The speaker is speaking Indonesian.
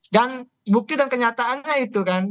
dan bukti dan kenyataannya itu kan